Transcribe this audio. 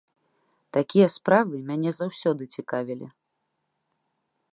Такія справы мяне заўсёды цікавілі.